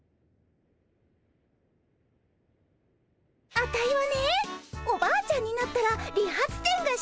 アタイはねおばあちゃんになったら理髪店がしたいねえ。